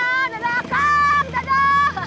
dadah dadah akang dadah